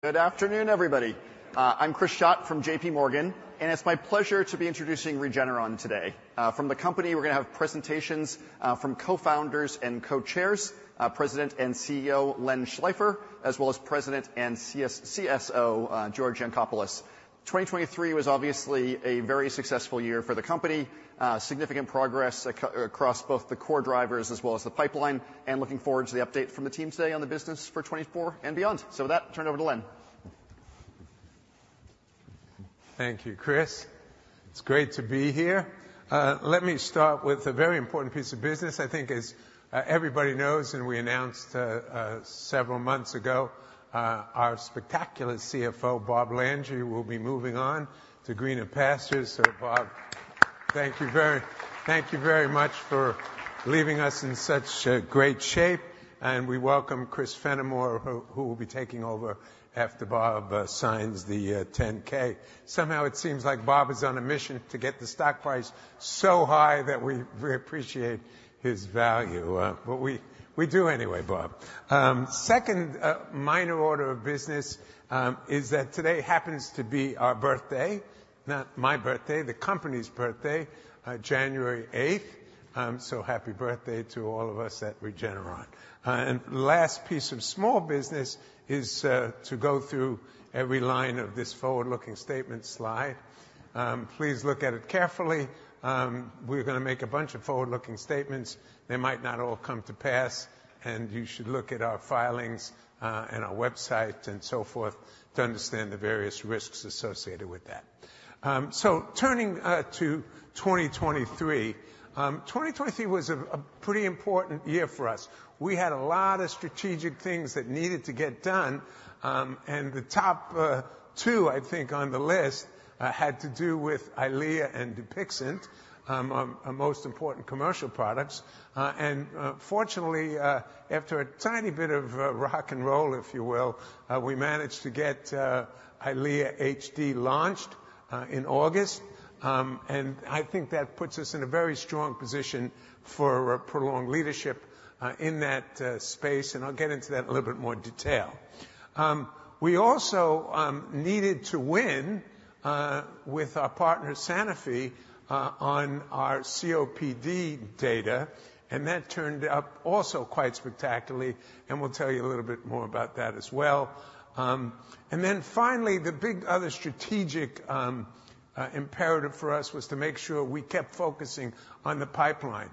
Good afternoon, everybody. I'm Chris Schott from J.P. Morgan, and it's my pleasure to be introducing Regeneron today. From the company, we're gonna have presentations from co-founders and co-chairs, President and CEO, Len Schleifer, as well as President and CSO, George Yancopoulos. 2023 was obviously a very successful year for the company, significant progress across both the core drivers as well as the pipeline, and looking forward to the update from the team today on the business for 2024 and beyond. So with that, turn it over to Len. Thank you, Chris. It's great to be here. Let me start with a very important piece of business. I think as everybody knows, and we announced several months ago our spectacular CFO, Bob Landry, will be moving on to greener pastures. So Bob, thank you very much for leaving us in such great shape, and we welcome Chris Fenimore, who will be taking over after Bob signs the 10-K. Somehow it seems like Bob is on a mission to get the stock price so high that we appreciate his value. But we do anyway, Bob. Second, minor order of business, is that today happens to be our birthday, not my birthday, the company's birthday, January 8th. So happy birthday to all of us at Regeneron. And last piece of small business is to go through every line of this forward-looking statement slide. Please look at it carefully. We're gonna make a bunch of forward-looking statements. They might not all come to pass, and you should look at our filings and our website and so forth, to understand the various risks associated with that. Turning to 2023. 2023 was a pretty important year for us. We had a lot of strategic things that needed to get done, and the top two, I think, on the list had to do with EYLEA and DUPIXENT, our most important commercial products. Fortunately, after a tiny bit of rock and roll, if you will, we managed to get EYLEA HD launched in August. I think that puts us in a very strong position for prolonged leadership in that space, and I'll get into that in a little bit more detail. We also needed to win with our partner, Sanofi, on our COPD data, and that turned up also quite spectacularly, and we'll tell you a little bit more about that as well. And then finally, the big other strategic imperative for us was to make sure we kept focusing on the pipeline.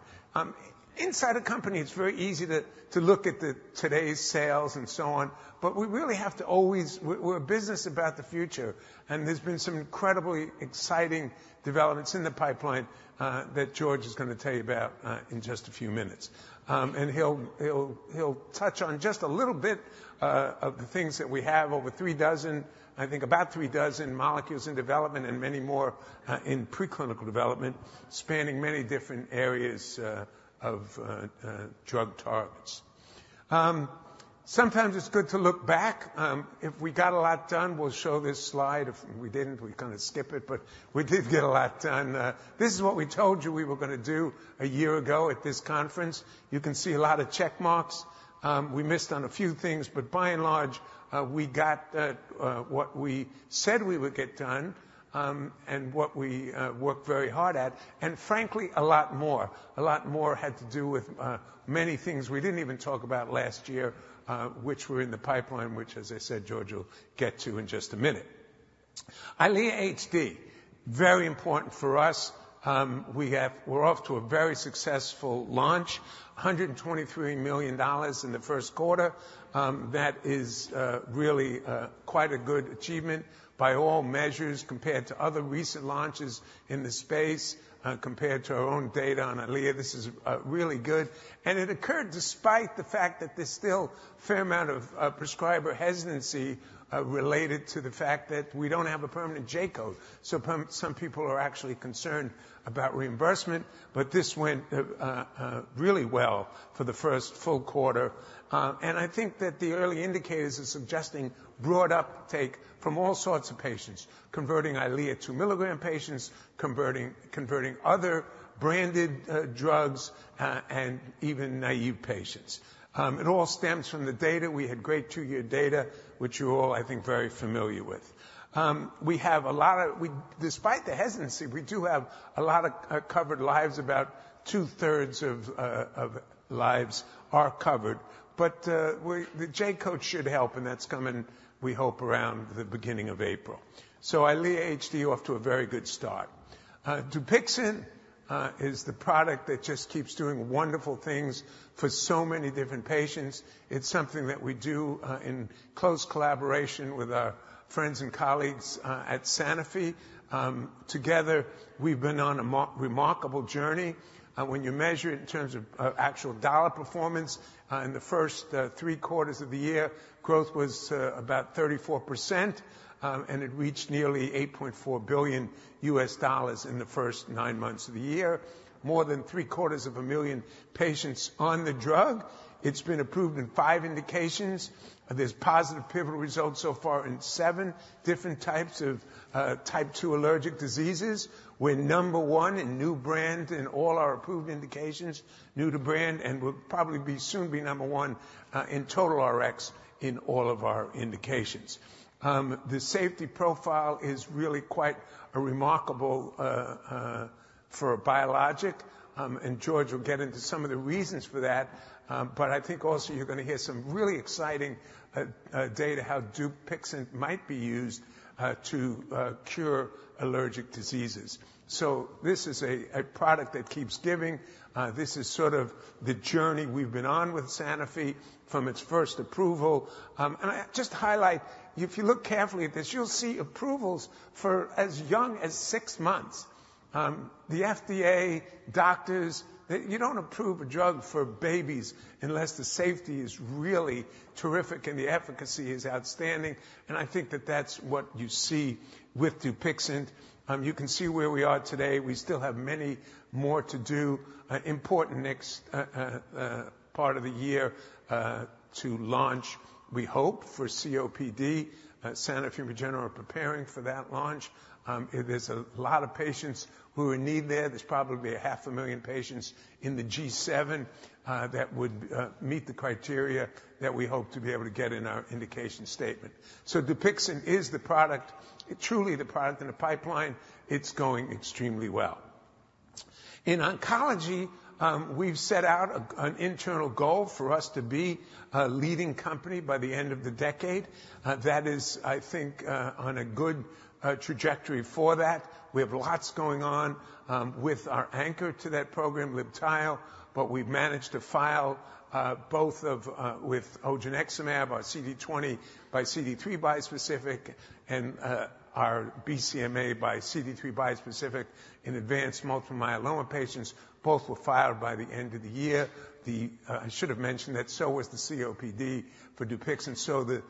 Inside a company, it's very easy to look at today's sales and so on, but we really have to always... We're a business about the future, and there's been some incredibly exciting developments in the pipeline that George is gonna tell you about in just a few minutes. And he'll touch on just a little bit of the things that we have, over three dozen, I think about three dozen molecules in development and many more in preclinical development, spanning many different areas of drug targets. Sometimes it's good to look back. If we got a lot done, we'll show this slide. If we didn't, we're gonna skip it, but we did get a lot done. This is what we told you we were gonna do a year ago at this conference. You can see a lot of check marks. We missed on a few things, but by and large, we got what we said we would get done, and what we worked very hard at, and frankly, a lot more. A lot more had to do with many things we didn't even talk about last year, which were in the pipeline, which, as I said, George will get to in just a minute. EYLEA HD, very important for us. We're off to a very successful launch, $123 million in the first quarter. That is really quite a good achievement by all measures, compared to other recent launches in the space, compared to our own data on EYLEA. This is really good, and it occurred despite the fact that there's still a fair amount of prescriber hesitancy related to the fact that we don't have a permanent J-code. So some people are actually concerned about reimbursement, but this went really well for the first full quarter. I think that the early indicators are suggesting broad uptake from all sorts of patients, converting EYLEA two milligram patients, converting other branded drugs, and even naive patients. It all stems from the data. We had great two year data, which you're all, I think, very familiar with. Despite the hesitancy, we do have a lot of covered lives. About two-thirds of lives are covered, but the J-code should help, and that's coming, we hope, around the beginning of April. So EYLEA HD, off to a very good start. Dupixent is the product that just keeps doing wonderful things for so many different patients. It's something that we do in close collaboration with our friends and colleagues at Sanofi. Together, we've been on a remarkable journey. When you measure it in terms of actual dollar performance in the first three quarters of the year, growth was about 34%, and it reached nearly $8.4 billion in the first nine months of the year. More than 750,000 patients on the drug. It's been approved in 5 indications. There's positive pivotal results so far in seven different types of type 2 allergic diseases. We're number one in new brand in all our approved indications, new to brand, and we'll probably soon be number one in total Rx in all of our indications. The safety profile is really quite remarkable for a biologic, and George will get into some of the reasons for that. But I think also you're gonna hear some really exciting data how Dupixent might be used to cure allergic diseases. So this is a product that keeps giving. This is sort of the journey we've been on with Sanofi from its first approval. And I just to highlight, if you look carefully at this, you'll see approvals for as young as six months. The FDA, doctors, they you don't approve a drug for babies unless the safety is really terrific and the efficacy is outstanding, and I think that that's what you see with Dupixent. You can see where we are today. We still have many more to do. Important next part of the year to launch, we hope, for COPD. Sanofi Regeneron are preparing for that launch. There's a lot of patients who are in need there. There's probably a half a million patients in the G7 that would meet the criteria that we hope to be able to get in our indication statement. So Dupixent is the product, truly the product in the pipeline. It's going extremely well. In oncology, we've set out an internal goal for us to be a leading company by the end of the decade. That is, I think, on a good trajectory for that. We have lots going on with our anchor to that program, Libtayo, but we've managed to file both with Odronextamab, our CD20xCD3 bispecific, and our BCMAxCD3 bispecific in advanced multiple myeloma patients. Both were filed by the end of the year. I should have mentioned that so was the COPD for Dupixent. So the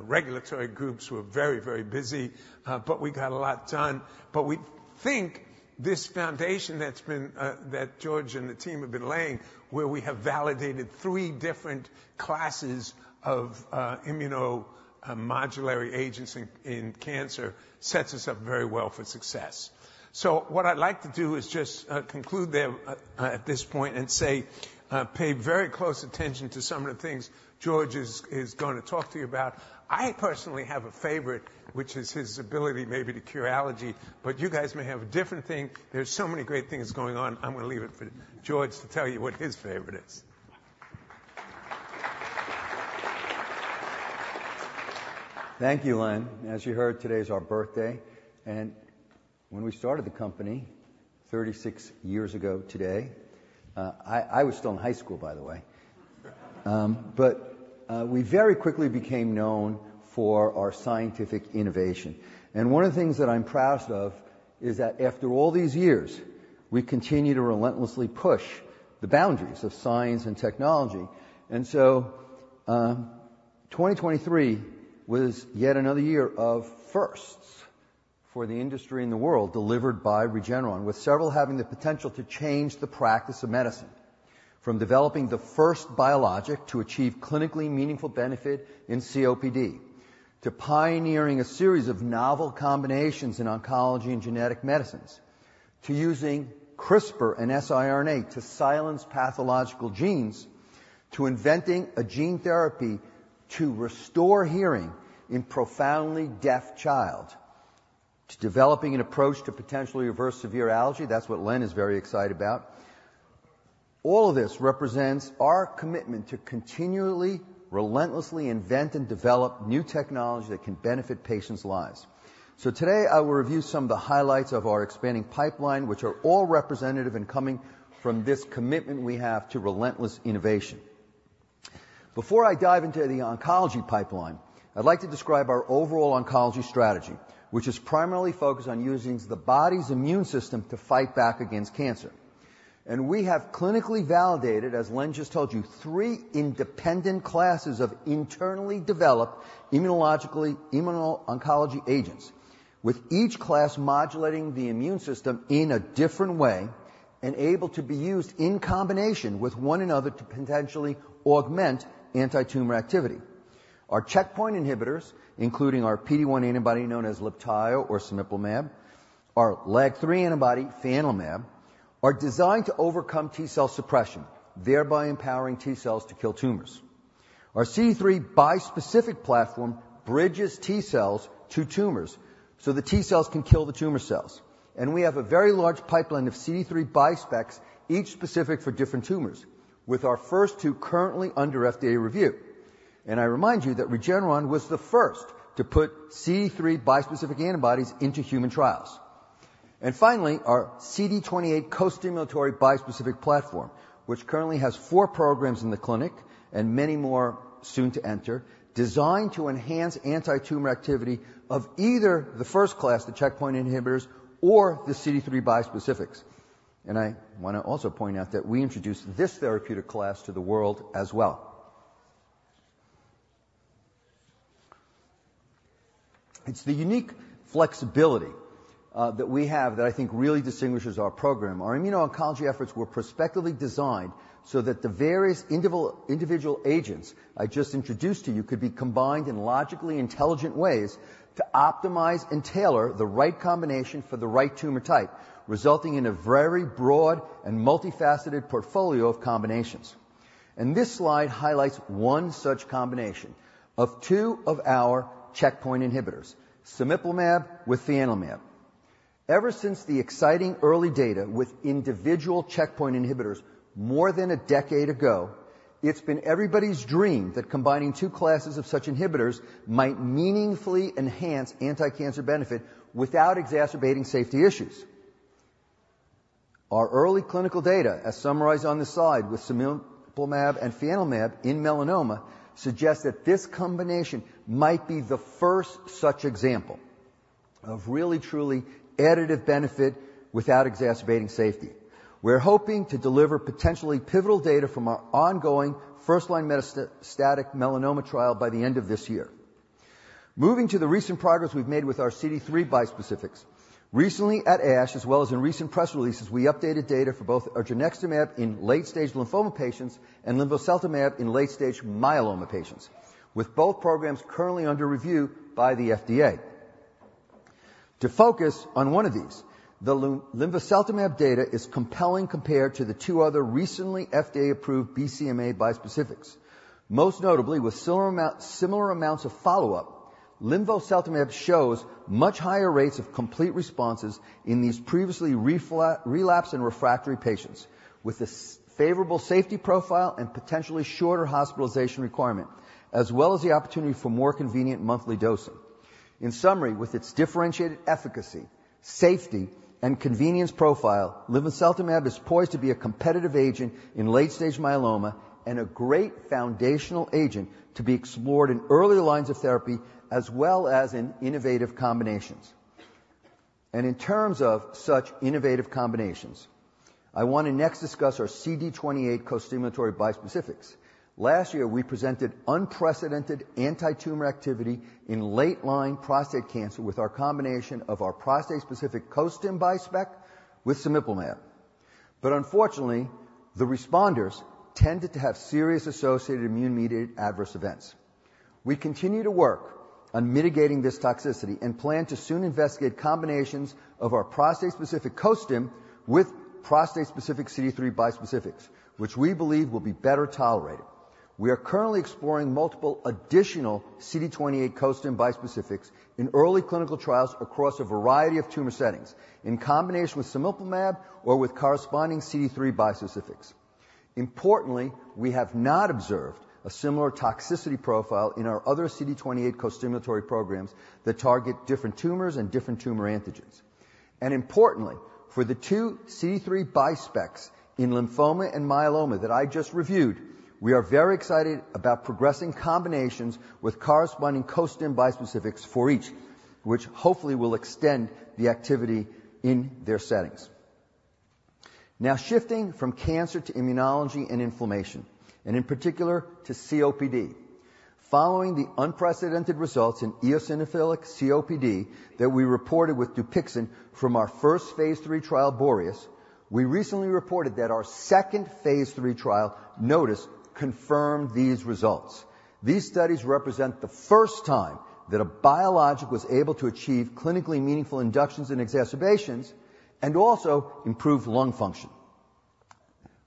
regulatory groups were very, very busy, but we got a lot done. But we think this foundation that's been that George and the team have been laying, where we have validated three different classes of immunomodulatory agents in cancer, sets us up very well for success. So what I'd like to do is just conclude there at this point and say, pay very close attention to some of the things George is going to talk to you about. I personally have a favorite, which is his ability maybe to cure allergy, but you guys may have a different thing. There's so many great things going on. I'm gonna leave it for George to tell you what his favorite is. Thank you, Len. As you heard, today is our birthday, and when we started the company 36 years ago today, I was still in high school, by the way. But we very quickly became known for our scientific innovation, and one of the things that I'm proud of is that after all these years, we continue to relentlessly push the boundaries of science and technology. And so, 2023 was yet another year of firsts for the industry and the world delivered by Regeneron, with several having the potential to change the practice of medicine. From developing the first biologic to achieve clinically meaningful benefit in COPD, to pioneering a series of novel combinations in oncology and genetic medicines, to using CRISPR and siRNA to silence pathological genes, to inventing a gene therapy to restore hearing in profoundly deaf child, to developing an approach to potentially reverse severe allergy. That's what Len is very excited about. All of this represents our commitment to continually, relentlessly invent and develop new technology that can benefit patients' lives. So today, I will review some of the highlights of our expanding pipeline, which are all representative in coming from this commitment we have to relentless innovation. Before I dive into the oncology pipeline, I'd like to describe our overall oncology strategy, which is primarily focused on using the body's immune system to fight back against cancer. We have clinically validated, as Len just told you, three independent classes of internally developed immunologically, immuno-oncology agents, with each class modulating the immune system in a different way and able to be used in combination with one another to potentially augment antitumor activity. Our checkpoint inhibitors, including our PD-1 antibody, known as Libtayo or Cemiplimab, our LAG-3 antibody, fianlimab, are designed to overcome T-cell suppression, thereby empowering T-cells to kill tumors. Our CD3 bispecific platform bridges T-cells to tumors, so the T-cells can kill the tumor cells, and we have a very large pipeline of CD3 bispecs, each specific for different tumors, with our first two currently under FDA review. I remind you that Regeneron was the first to put CD3 bispecific antibodies into human trials. And finally, our CD28 costimulatory bispecific platform, which currently has four programs in the clinic and many more soon to enter, designed to enhance antitumor activity of either the first class, the checkpoint inhibitors, or the CD3 bispecifics. And I want to also point out that we introduced this therapeutic class to the world as well. It's the unique flexibility, that we have that I think really distinguishes our program. Our immuno-oncology efforts were prospectively designed so that the various individual agents I just introduced to you could be combined in logically intelligent ways to optimize and tailor the right combination for the right tumor type, resulting in a very broad and multifaceted portfolio of combinations. And this slide highlights one such combination of two of our checkpoint inhibitors, cemiplimab with fianlimab. Ever since the exciting early data with individual checkpoint inhibitors more than a decade ago, it's been everybody's dream that combining two classes of such inhibitors might meaningfully enhance anticancer benefit without exacerbating safety issues. Our early clinical data, as summarized on this slide with cemiplimab and fianlimab in melanoma, suggests that this combination might be the first such example of really, truly additive benefit without exacerbating safety. We're hoping to deliver potentially pivotal data from our ongoing first-line metastatic melanoma trial by the end of this year. Moving to the recent progress we've made with our CD3 bispecifics. Recently at ASH, as well as in recent press releases, we updated data for both odronextamab in late-stage lymphoma patients and Linvoseltamab in late-stage myeloma patients, with both programs currently under review by the FDA. To focus on one of these, the Linvoseltamab data is compelling compared to the two other recently FDA-approved BCMA bispecifics. Most notably, with similar amount, similar amounts of follow-up, Linvoseltamab shows much higher rates of complete responses in these previously relapsed and refractory patients, with a favorable safety profile and potentially shorter hospitalization requirement, as well as the opportunity for more convenient monthly dosing. In summary, with its differentiated efficacy, safety, and convenience profile, Linvoseltamab is poised to be a competitive agent in late-stage myeloma and a great foundational agent to be explored in earlier lines of therapy, as well as in innovative combinations. And in terms of such innovative combinations, I want to next discuss our CD28 costimulatory bispecifics. Last year, we presented unprecedented antitumor activity in late-line prostate cancer with our combination of our prostate-specific costim bispec with cemiplimab. But unfortunately, the responders tended to have serious associated immune-mediated adverse events. We continue to work on mitigating this toxicity and plan to soon investigate combinations of our prostate-specific costim with prostate-specific CD3 bispecifics, which we believe will be better tolerated. We are currently exploring multiple additional CD28 costim bispecifics in early clinical trials across a variety of tumor settings, in combination with cemiplimab or with corresponding CD3 bispecifics. Importantly, we have not observed a similar toxicity profile in our other CD28 costimulatory programs that target different tumors and different tumor antigens. Importantly, for the two CD3 bispecs in lymphoma and myeloma that I just reviewed, we are very excited about progressing combinations with corresponding costim bispecifics for each, which hopefully will extend the activity in their settings. Now, shifting from cancer to immunology and inflammation, and in particular to COPD. Following the unprecedented results in eosinophilic COPD that we reported with Dupixent from our first phase 3 trial, BOREAS, we recently reported that our second phase 3 trial, NOTUS, confirmed these results. These studies represent the first time that a biologic was able to achieve clinically meaningful reductions in exacerbations and also improve lung function.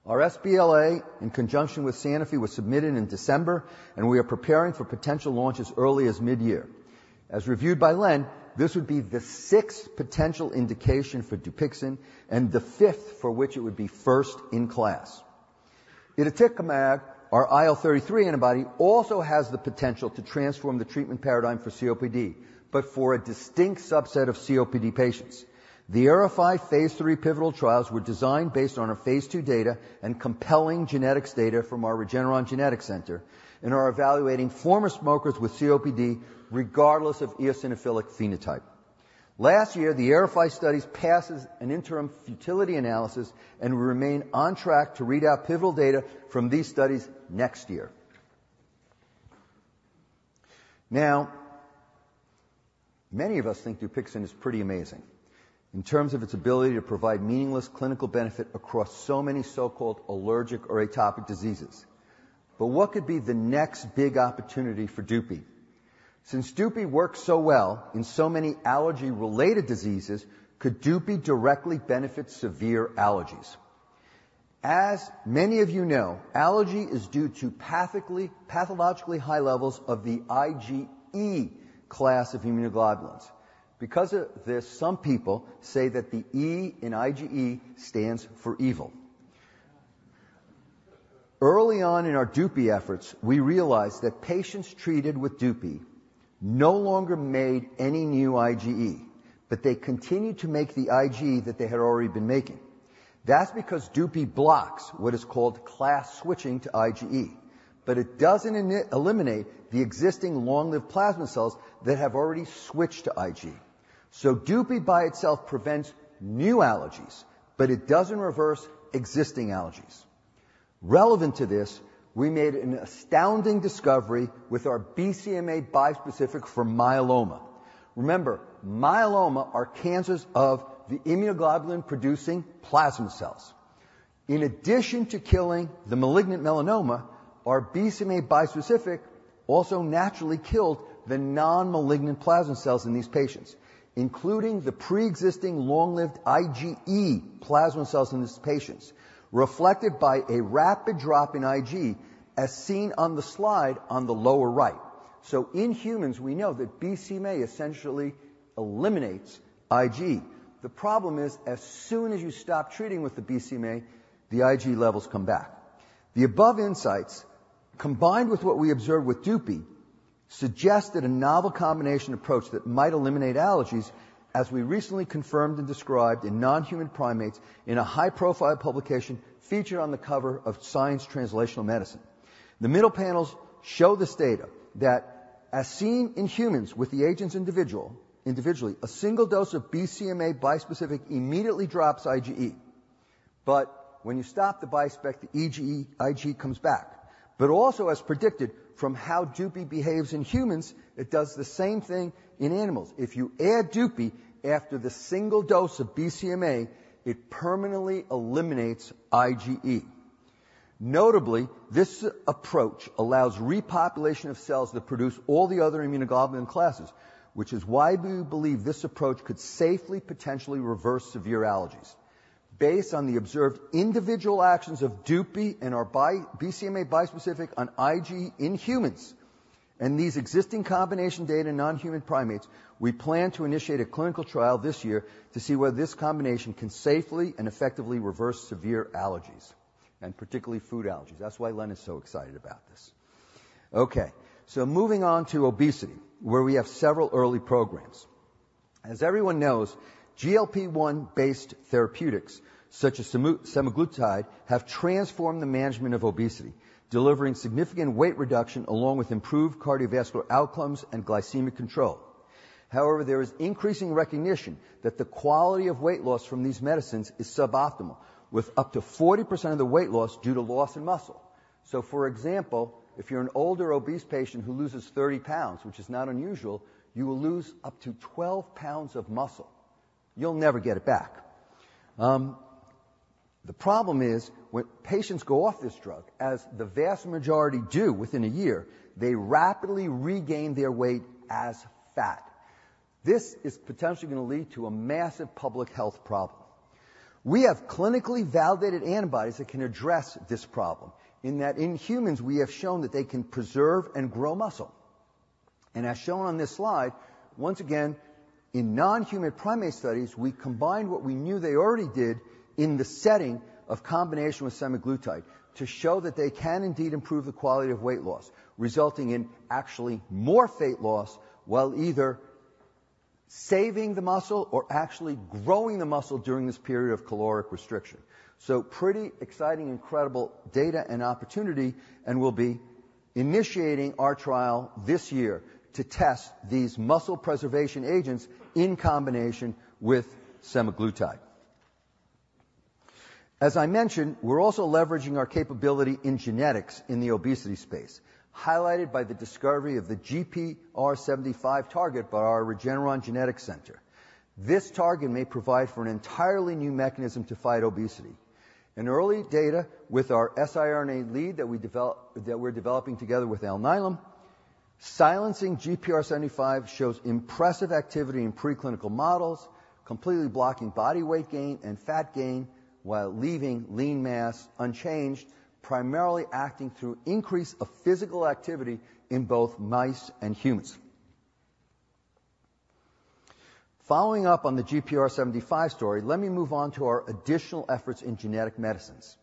Our sBLA, in conjunction with Sanofi, was submitted in December, and we are preparing for potential launch as early as mid-year. As reviewed by Len, this would be the sixth potential indication for Dupixent and the fifth for which it would be first in class. Itepekimab, our IL-33 antibody, also has the potential to transform the treatment paradigm for COPD, but for a distinct subset of COPD patients. The AERIFY phase III pivotal trials were designed based on our phase II data and compelling genetics data from our Regeneron Genetics Center and are evaluating former smokers with COPD, regardless of eosinophilic phenotype. Last year, the AERIFY studies passed an interim futility analysis and will remain on track to read our pivotal data from these studies next year. Now, many of us think Dupixent is pretty amazing in terms of its ability to provide meaningless clinical benefit across so many so-called allergic or atopic diseases. But what could be the next big opportunity for Dupi? Since Dupi works so well in so many allergy-related diseases, could Dupi directly benefit severe allergies? As many of you know, allergy is due to pathologically high levels of the IgE class of immunoglobulins. Because of this, some people say that the E in IgE stands for evil. Early on in our Dupi efforts, we realized that patients treated with Dupi no longer made any new IgE, but they continued to make the IgE that they had already been making. That's because Dupi blocks what is called class switching to IgE, but it doesn't eliminate the existing long-lived plasma cells that have already switched to IgE. So Dupi, by itself, prevents new allergies, but it doesn't reverse existing allergies. Relevant to this, we made an astounding discovery with our BCMA bispecific for myeloma. Remember, myeloma are cancers of the immunoglobulin-producing plasma cells. In addition to killing the malignant myeloma, our BCMA bispecific also naturally killed the non-malignant plasma cells in these patients, including the pre-existing long-lived IgE plasma cells in these patients, reflected by a rapid drop in IgE, as seen on the slide on the lower right. So in humans, we know that BCMA essentially eliminates IgE. The problem is, as soon as you stop treating with the BCMA, the IgE levels come back. The above insights, combined with what we observed with Dupixent, suggest that a novel combination approach that might eliminate allergies, as we recently confirmed and described in non-human primates in a high-profile publication featured on the cover of Science Translational Medicine. The middle panels show this data, that as seen in humans with the agents individually, a single dose of BCMA bispecific immediately drops IgE. But when you stop the bispecific, the IgE comes back. But also, as predicted from how Dupixent behaves in humans, it does the same thing in animals. If you add Dupixent after the single dose of BCMA, it permanently eliminates IgE. Notably, this approach allows repopulation of cells that produce all the other immunoglobulin classes, which is why we believe this approach could safely, potentially reverse severe allergies. Based on the observed individual actions of Dupixent and our BCMA bispecific on IgE in humans and these existing combination data in non-human primates, we plan to initiate a clinical trial this year to see whether this combination can safely and effectively reverse severe allergies, and particularly food allergies. That's why Len is so excited about this. Okay, so moving on to obesity, where we have several early programs. As everyone knows, GLP-1 based therapeutics, such as semaglutide, have transformed the management of obesity, delivering significant weight reduction along with improved cardiovascular outcomes and glycemic control. However, there is increasing recognition that the quality of weight loss from these medicines is suboptimal, with up to 40% of the weight loss due to loss in muscle. So, for example, if you're an older, obese patient who loses 30 pounds, which is not unusual, you will lose up to 12 pounds of muscle. You'll never get it back. The problem is, when patients go off this drug, as the vast majority do within a year, they rapidly regain their weight as fat. This is potentially gonna lead to a massive public health problem. We have clinically validated antibodies that can address this problem, in that in humans, we have shown that they can preserve and grow muscle. As shown on this slide, once again, in non-human primate studies, we combined what we knew they already did in the setting of combination with Semaglutide to show that they can indeed improve the quality of weight loss, resulting in actually more fat loss, while either saving the muscle or actually growing the muscle during this period of caloric restriction. So pretty exciting, incredible data and opportunity, and we'll be initiating our trial this year to test these muscle preservation agents in combination with Semaglutide. As I mentioned, we're also leveraging our capability in genetics in the obesity space, highlighted by the discovery of the GPR75 target by our Regeneron Genetics Center. This target may provide for an entirely new mechanism to fight obesity. In early data with our siRNA lead that we're developing together with Alnylam, silencing GPR75 shows impressive activity in preclinical models, completely blocking body weight gain and fat gain while leaving lean mass unchanged, primarily acting through increase of physical activity in both mice and humans. Following up on the GPR75 story, let me move on to our additional efforts in genetic medicines.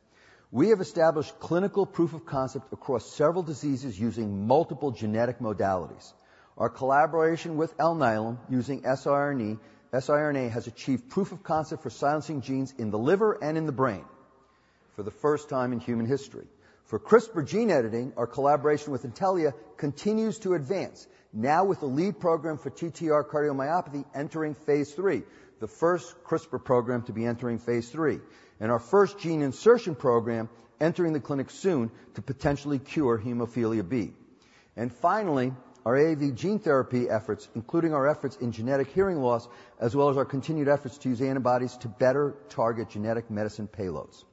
We have established clinical proof of concept across several diseases using multiple genetic modalities. Our collaboration with Alnylam, using siRNA, siRNA, has achieved proof of concept for silencing genes in the liver and in the brain for the first time in human history. For CRISPR gene editing, our collaboration with Intellia continues to advance, now with the lead program for TTR cardiomyopathy entering phase 3, the first CRISPR program to be entering phase 3. And our first gene insertion program entering the clinic soon to potentially cure hemophilia B. And finally, our AAV gene therapy efforts, including our efforts in genetic hearing loss, as well as our continued efforts to use antibodies to better target genetic medicine payloads.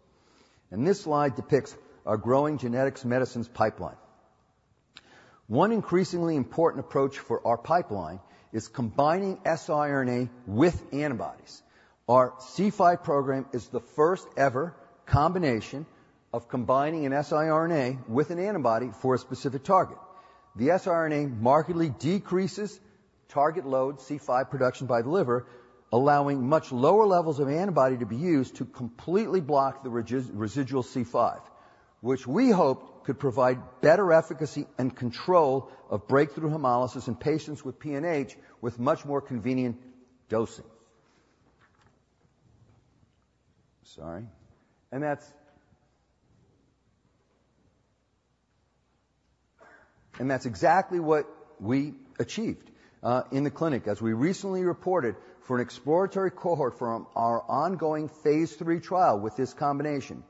And this slide depicts our growing genetics medicines pipeline. One increasingly important approach for our pipeline is combining siRNA with antibodies. Our C5 program is the first ever combination of combining an siRNA with an antibody for a specific target. The siRNA markedly decreases target load C5 production by the liver, allowing much lower levels of antibody to be used to completely block the residual C5, which we hope could provide better efficacy and control of breakthrough hemolysis in patients with PNH, with much more convenient dosing. Sorry. And that's... And that's exactly what we achieved in the clinic, as we recently reported for an exploratory cohort from our ongoing phase III trial with this combination.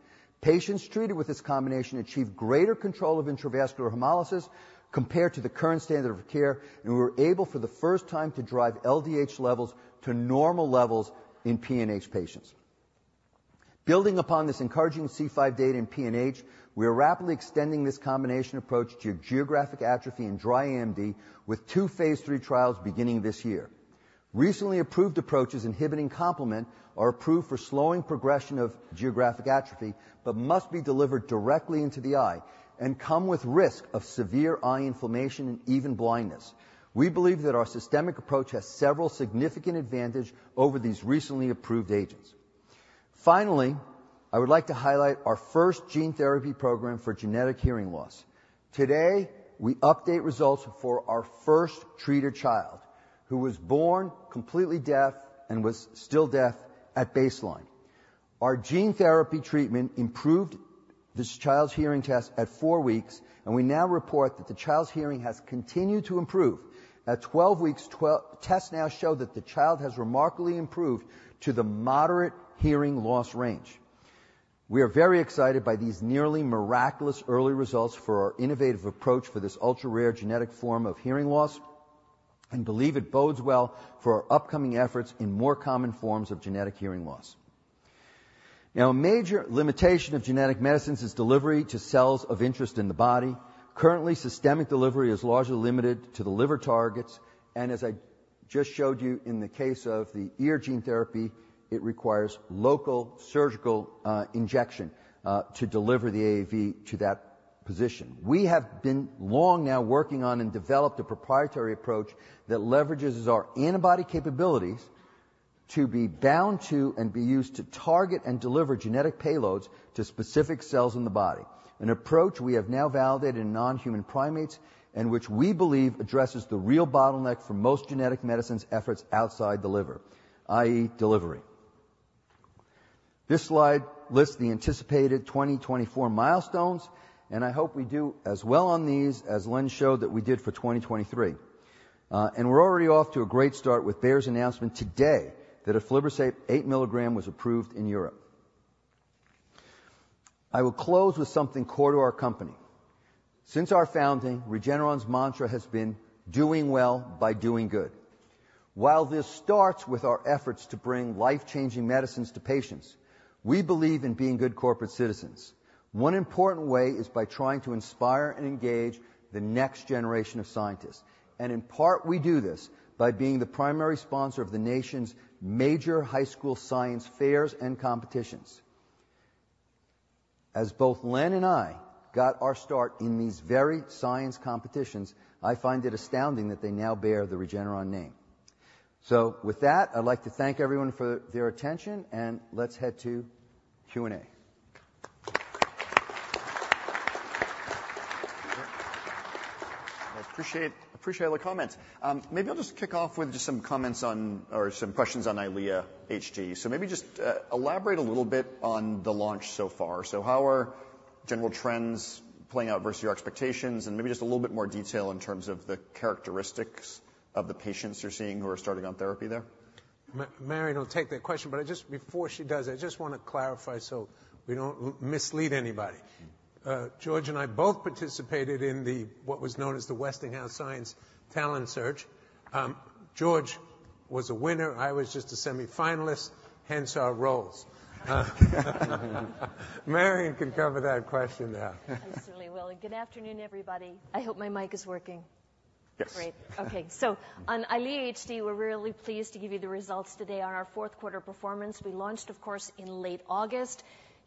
Patients treated with this combination achieved greater control of intravascular hemolysis compared to the current standard of care, and we were able, for the first time, to drive LDH levels to normal levels in PNH patients. Building upon this encouraging C5 data in PNH, we are rapidly extending this combination approach to Geographic Atrophy in dry AMD, with two phase III trials beginning this year. Recently approved approaches inhibiting complement are approved for slowing progression of Geographic Atrophy, but must be delivered directly into the eye and come with risk of severe eye inflammation and even blindness. We believe that our systemic approach has several significant advantage over these recently approved agents. Finally, I would like to highlight our first gene therapy program for genetic hearing loss. Today, we update results for our first treated child, who was born completely deaf and was still deaf at baseline. Our gene therapy treatment improved this child's hearing test at four weeks, and we now report that the child's hearing has continued to improve. At 12 weeks, twelve-week tests now show that the child has remarkably improved to the moderate hearing loss range. We are very excited by these nearly miraculous early results for our innovative approach for this ultra-rare genetic form of hearing loss, and believe it bodes well for our upcoming efforts in more common forms of genetic hearing loss. Now, a major limitation of genetic medicines is delivery to cells of interest in the body. Currently, systemic delivery is largely limited to the liver targets, and as I just showed you, in the case of the ear gene therapy, it requires local surgical injection to deliver the AAV to that position. We have been long now working on and developed a proprietary approach that leverages our antibody capabilities to be bound to and be used to target and deliver genetic payloads to specific cells in the body. An approach we have now validated in non-human primates, and which we believe addresses the real bottleneck for most genetic medicines efforts outside the liver, i.e., delivery. This slide lists the anticipated 2024 milestones, and I hope we do as well on these as Len showed that we did for 2023. And we're already off to a great start with Bayer's announcement today that Aflibercept 8 mg was approved in Europe. I will close with something core to our company. Since our founding, Regeneron's mantra has been, "Doing well by doing good." While this starts with our efforts to bring life-changing medicines to patients, we believe in being good corporate citizens. One important way is by trying to inspire and engage the next generation of scientists, and in part, we do this by being the primary sponsor of the nation's major high school science fairs and competitions. As both Len and I got our start in these very science competitions, I find it astounding that they now bear the Regeneron name. So with that, I'd like to thank everyone for their attention, and let's head to Q&A. I appreciate, appreciate all the comments. Maybe I'll just kick off with just some comments on or some questions on EYLEA HD. So maybe just elaborate a little bit on the launch so far. So how are general trends playing out versus your expectations? And maybe just a little bit more detail in terms of the characteristics of the patients you're seeing who are starting on therapy there. Marion will take that question, but I just want to clarify so we don't mislead anybody. George and I both participated in the, what was known as the Westinghouse Science Talent Search. George was a winner. I was just a semifinalist, hence our roles. Marion can cover that question now. I certainly will. Good afternoon, everybody. I hope my mic is working. Yes. Great. Okay, so on EYLEA HD, we're really pleased to give you the results today on our fourth quarter performance. We launched, of course, in late August.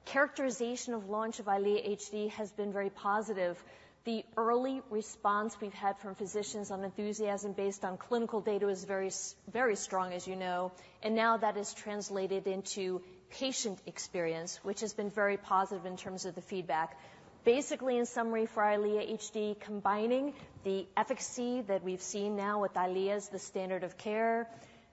Characterization of launch of EYLEA HD has been very positive. The early response we've had from physicians on enthusiasm based on clinical data was very strong, as you know, and now that is translated into patient experience, which has been very positive in terms of the feedback. Basically, in summary, for EYLEA HD, combining the efficacy that we've seen now with EYLEA as the standard of care,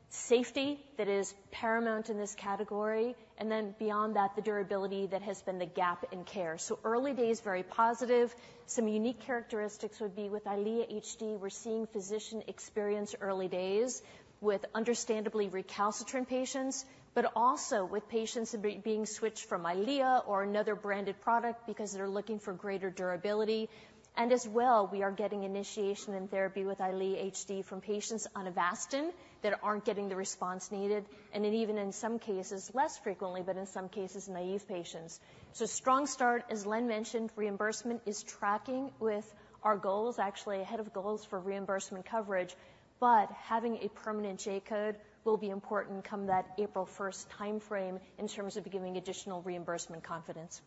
safety that is paramount in this category, and then beyond that, the durability that has been the gap in care. So early days, very positive. Some unique characteristics would be with EYLEA HD, we're seeing physician experience early days with understandably recalcitrant patients, but also with patients being switched from EYLEA or another branded product because they're looking for greater durability. And as well, we are getting initiation and therapy with EYLEA HD from patients on Avastin that aren't getting the response needed, and then even in some cases, less frequently, but in some cases, naive patients. So strong start. As Len mentioned, reimbursement is tracking with our goals, actually ahead of goals for reimbursement coverage. But having a permanent J-code will be important come that April first timeframe in terms of giving additional reimbursement confidence.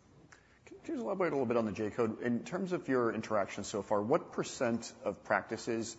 Can you elaborate a little bit on the J-code? In terms of your interactions so far, what percentage of practices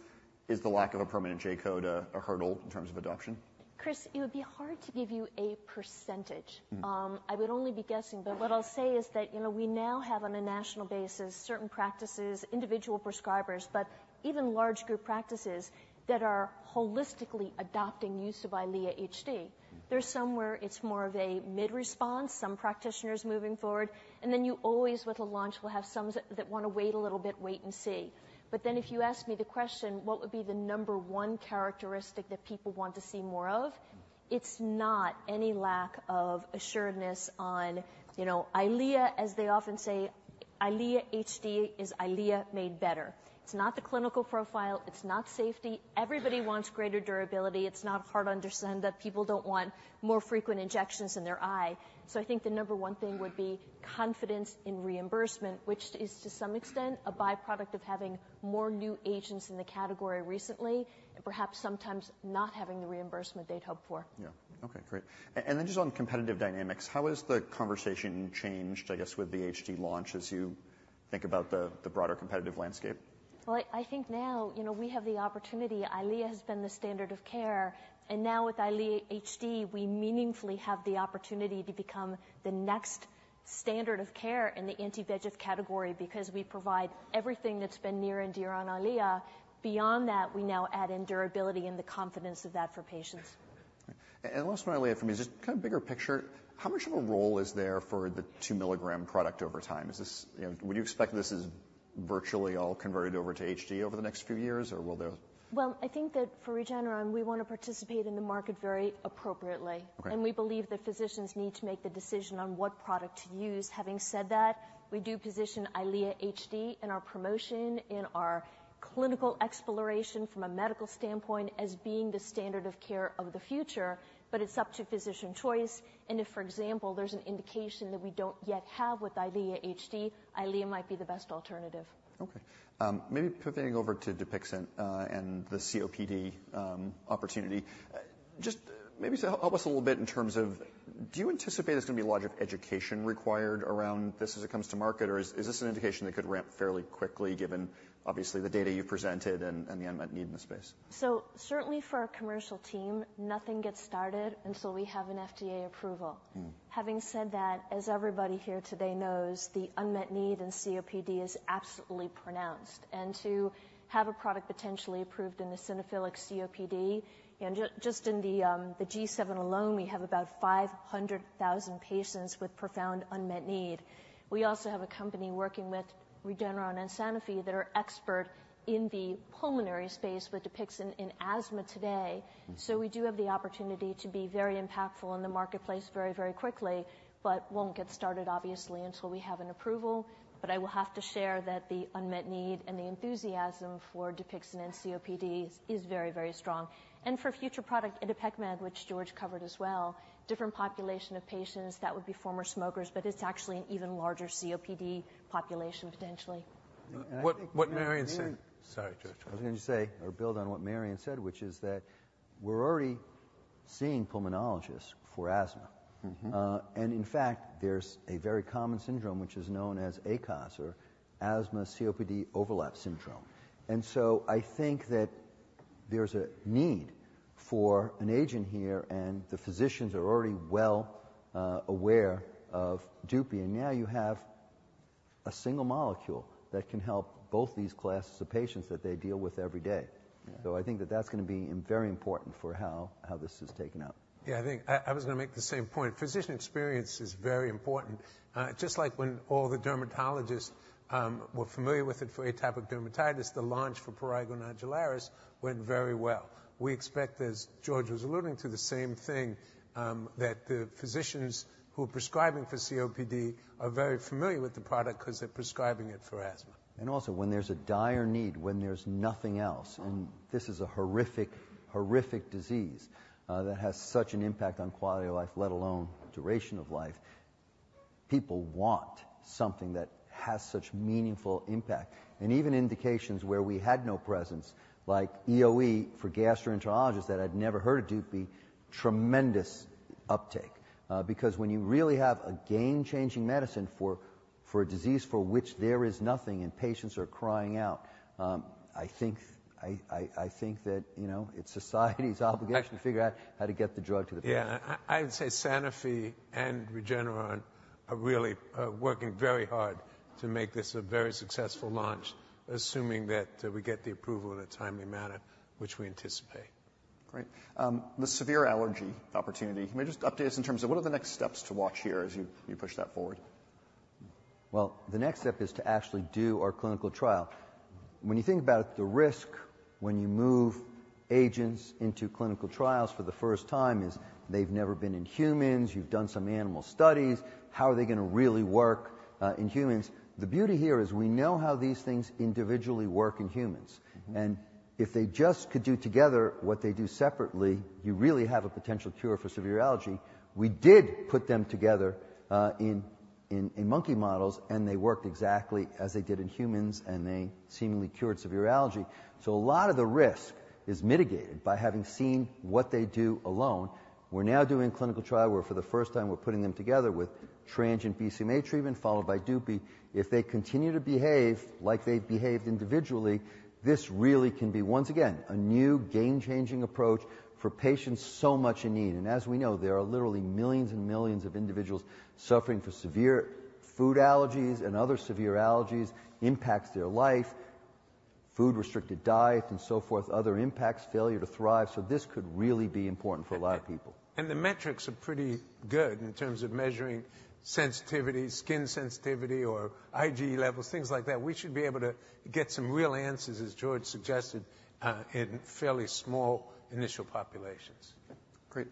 is the lack of a permanent J-code a hurdle in terms of adoption? Chris, it would be hard to give you a percentage. Mm. I would only be guessing, but what I'll say is that, you know, we now have, on a national basis, certain practices, individual prescribers, but even large group practices that are holistically adopting use of EYLEA HD. Mm. There's somewhere it's more of a mild response, some practitioners moving forward, and then you always, with a launch, will have some that, that wanna wait a little bit, wait and see. But then if you ask me the question, what would be the number one characteristic that people want to see more of? Mm. It's not any lack of assuredness on, you know, EYLEA, as they often say, EYLEA HD is EYLEA made better. It's not the clinical profile, it's not safety. Everybody wants greater durability. It's not hard to understand that people don't want more frequent injections in their eye. So I think the number one thing would be confidence in reimbursement, which is to some extent, a byproduct of having more new agents in the category recently, and perhaps sometimes not having the reimbursement they'd hoped for. Yeah. Okay, great. And then just on competitive dynamics, how has the conversation changed, I guess, with the HD launch as you think about the, the broader competitive landscape? Well, I think now, you know, we have the opportunity. EYLEA has been the standard of care, and now with EYLEA HD, we meaningfully have the opportunity to become the next standard of care in the anti-VEGF category because we provide everything that's been near and dear on EYLEA. Beyond that, we now add in durability and the confidence of that for patients. Last one, EYLEA, for me, just kind of bigger picture, how much of a role is there for the 2 mg product over time? Would you expect this is virtually all converted over to HD over the next few years, or will there- Well, I think that for Regeneron, we want to participate in the market very appropriately. Right. We believe that physicians need to make the decision on what product to use. Having said that, we do position EYLEA HD in our promotion, in our clinical exploration from a medical standpoint, as being the standard of care of the future, but it's up to physician choice, and if, for example, there's an indication that we don't yet have with EYLEA HD, EYLEA might be the best alternative. Okay, maybe pivoting over to Dupixent, and the COPD opportunity. Just maybe help us a little bit in terms of, do you anticipate there's going to be a lot of education required around this as it comes to market? Or is this an indication that could ramp fairly quickly, given obviously, the data you've presented and the unmet need in the space? Certainly for our commercial team, nothing gets started until we have an FDA approval. Mm. Having said that, as everybody here today knows, the unmet need in COPD is absolutely pronounced. And to have a product potentially approved in eosinophilic COPD, and just in the G7 alone, we have about 500,000 patients with profound unmet need. We also have a company working with Regeneron and Sanofi that are expert in the pulmonary space with Dupixent in asthma today. Mm-hmm. So we do have the opportunity to be very impactful in the marketplace very, very quickly, but won't get started, obviously, until we have an approval. But I will have to share that the unmet need and the enthusiasm for Dupixent in COPD is very, very strong. And for future product, itepekimab, which George covered as well, different population of patients, that would be former smokers, but it's actually an even larger COPD population, potentially. What Marion said- Sorry, George. I was going to say, or build on what Marion said, which is that we're already seeing pulmonologists for asthma. Mm-hmm. And in fact, there's a very common syndrome, which is known as ACOS or Asthma-COPD Overlap Syndrome. And so I think that there's a need for an agent here, and the physicians are already well, aware of Dupixent, and now you have a single molecule that can help both these classes of patients that they deal with every day. Yeah. I think that that's going to be very important for how this is taken up. Yeah, I think I was going to make the same point. Physician experience is very important. Just like when all the dermatologists were familiar with it for atopic dermatitis, the launch for Prurigo Nodularis went very well. We expect, as George was alluding to, the same thing, that the physicians who are prescribing for COPD are very familiar with the product because they're prescribing it for asthma. And also, when there's a dire need, when there's nothing else, and this is a horrific, horrific disease, that has such an impact on quality of life, let alone duration of life, people want something that has such meaningful impact. And even indications where we had no presence, like EoE, for gastroenterologists that had never heard of Dupixent, tremendous uptake. Because when you really have a game-changing medicine for a disease for which there is nothing, and patients are crying out, I think that, you know, it's society's obligation to figure out how to get the drug to the patient. Yeah. I'd say Sanofi and Regeneron are really working very hard to make this a very successful launch, assuming that we get the approval in a timely manner, which we anticipate. Great. The severe allergy opportunity, can you just update us in terms of what are the next steps to watch here as you push that forward? Well, the next step is to actually do our clinical trial. When you think about the risk when you move agents into clinical trials for the first time is they've never been in humans, you've done some animal studies, how are they going to really work in humans? The beauty here is we know how these things individually work in humans. Mm-hmm. If they just could do together what they do separately, you really have a potential cure for severe allergy. We did put them together in monkey models, and they worked exactly as they did in humans, and they seemingly cured severe allergy. A lot of the risk is mitigated by having seen what they do alone. We're now doing a clinical trial where for the first time, we're putting them together with transient BCMA treatment followed by Dupie. If they continue to behave like they've behaved individually, this really can be, once again, a new game-changing approach for patients so much in need. As we know, there are literally millions and millions of individuals suffering from severe food allergies and other severe allergies, impacts their life, food-restricted diet and so forth, other impacts, failure to thrive. This could really be important for a lot of people. The metrics are pretty good in terms of measuring sensitivity, skin sensitivity or IgE levels, things like that. We should be able to get some real answers, as George suggested, in fairly small initial populations.... Great.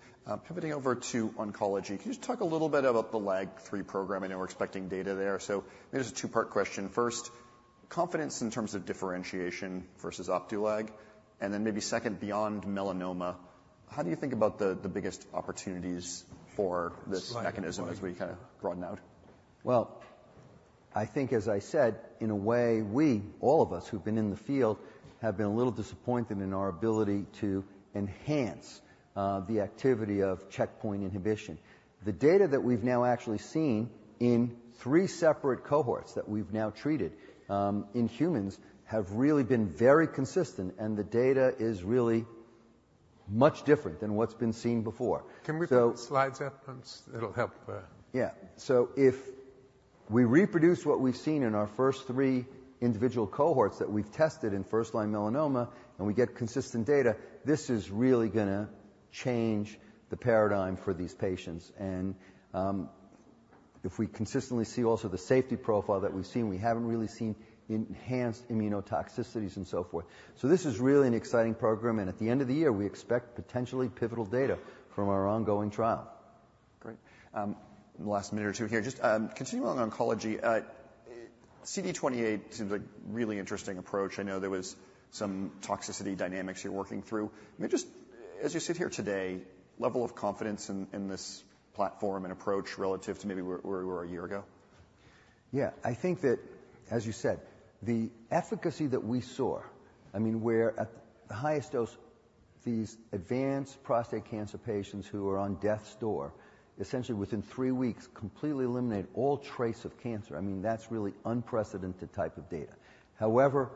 Pivoting over to oncology, can you just talk a little bit about the LAG-3 program? I know we're expecting data there, so here's a two-part question. First, confidence in terms of differentiation versus Opdualag, and then maybe second, beyond melanoma, how do you think about the, the biggest opportunities for this mechanism as we kind of broaden out? Well, I think, as I said, in a way, we, all of us who've been in the field, have been a little disappointed in our ability to enhance the activity of checkpoint inhibition. The data that we've now actually seen in three separate cohorts that we've now treated in humans have really been very consistent, and the data is really much different than what's been seen before. Can we put the slides up, please? It'll help, Yeah. So if we reproduce what we've seen in our first three individual cohorts that we've tested in first-line melanoma, and we get consistent data, this is really gonna change the paradigm for these patients. And, if we consistently see also the safety profile that we've seen, we haven't really seen enhanced immunotoxicities and so forth. So this is really an exciting program, and at the end of the year, we expect potentially pivotal data from our ongoing trial. Great. In the last minute or two here, just continuing on oncology, CD28 seems a really interesting approach. I know there was some toxicity dynamics you're working through. Maybe just as you sit here today, level of confidence in this platform and approach relative to maybe where we were a year ago? Yeah, I think that, as you said, the efficacy that we saw, I mean, where at the highest dose, these advanced prostate cancer patients who are on death's door, essentially within three weeks, completely eliminate all trace of cancer. I mean, that's really unprecedented type of data. However,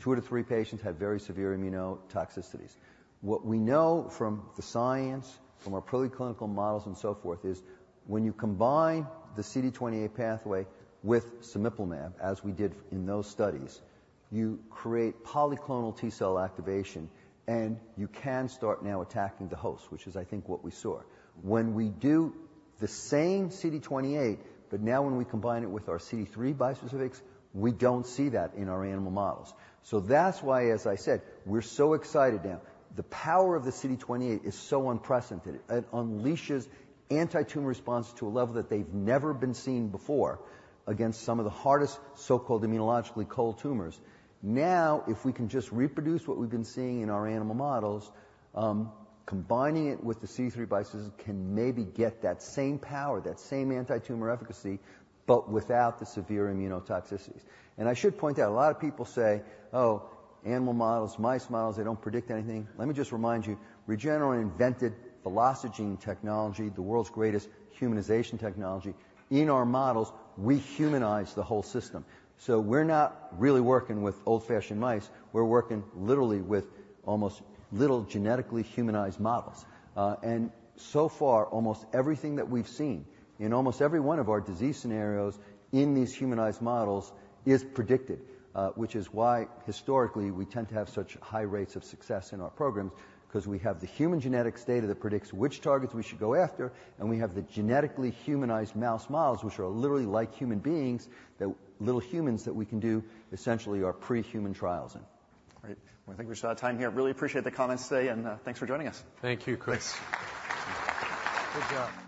two to three patients had very severe immunotoxicities. What we know from the science, from our preclinical models and so forth, is when you combine the CD28 pathway with cemiplimab, as we did in those studies, you create polyclonal T cell activation, and you can start now attacking the host, which is, I think, what we saw. When we do the same CD28, but now when we combine it with our CD3 bispecifics, we don't see that in our animal models. So that's why, as I said, we're so excited now. The power of the CD28 is so unprecedented. It unleashes antitumor response to a level that they've never been seen before against some of the hardest, so-called immunologically cold tumors. Now, if we can just reproduce what we've been seeing in our animal models, combining it with the CD3 bispecifics, can maybe get that same power, that same antitumor efficacy, but without the severe immunotoxicities. And I should point out, a lot of people say, "Oh, animal models, mice models, they don't predict anything." Let me just remind you, Regeneron invented the VelociGene technology, the world's greatest humanization technology. In our models, we humanize the whole system, so we're not really working with old-fashioned mice. We're working literally with almost little genetically humanized models. And so far, almost everything that we've seen in almost every one of our disease scenarios in these humanized models is predicted. which is why, historically, we tend to have such high rates of success in our programs, 'cause we have the human genetics data that predicts which targets we should go after, and we have the genetically humanized mouse models, which are literally like human beings, little humans, that we can do essentially our pre-human trials in. Great. Well, I think we're out of time here. Really appreciate the comments today, and thanks for joining us. Thank you, Chris. Good job.